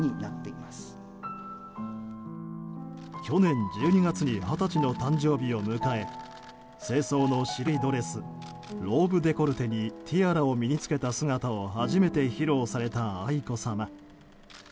去年１２月に二十歳の誕生日を迎え正装の白いドレスローブデコルテにティアラを身に着けた姿を初めて披露された愛子さま。